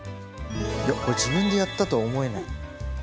いやこれ自分でやったとは思えない。